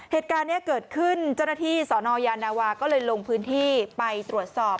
เหตุการณ์นี้เกิดขึ้นเจ้าหน้าที่สนยานาวาก็เลยลงพื้นที่ไปตรวจสอบ